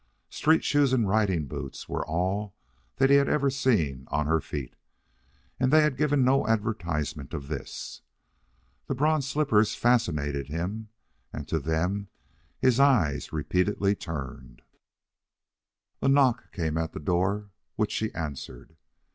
Street shoes and riding boots were all that he had ever seen on her feet, and they had given no advertisement of this. The bronze slippers fascinated him, and to them his eyes repeatedly turned. A knock came at the door, which she answered.